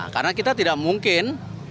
karena kita tidak mungkin